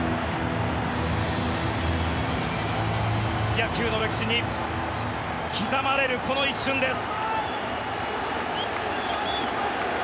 野球の歴史に、刻まれるこの一瞬です。